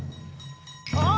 ああ！